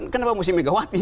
kenapa mesti megawati